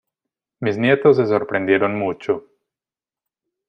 Mis nietos se sorprendieron mucho".